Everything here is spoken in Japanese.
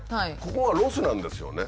ここがロスなんですよね。